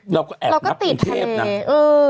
เราก็แอบนับกรุงเทพเราก็ติดทะเล